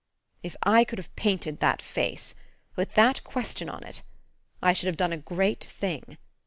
"If I could have painted that face, with that question on it, I should have done a great thing.